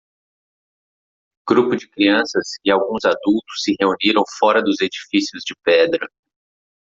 Grupo de crianças e alguns adultos se reuniram fora dos edifícios de pedra.